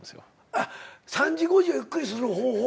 ３時５時をゆっくりにする方法？